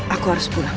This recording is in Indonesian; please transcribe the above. aku harus pulang